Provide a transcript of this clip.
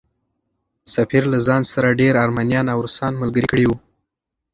سفیر له ځان سره ډېر ارمنیان او روسان ملګري کړي وو.